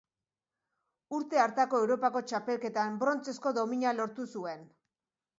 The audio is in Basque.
Urte hartako Europako Txapelketan brontzezko domina lortu zuen.